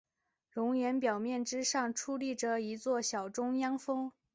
熔岩表面之上矗立着一座小中央峰。